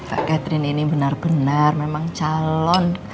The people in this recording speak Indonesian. mbak ketrin ini bener bener memang calon